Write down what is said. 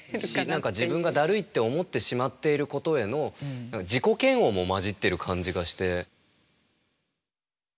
何か自分が「だるい」って思ってしまっていることへの自己嫌悪も混じってる感じがして。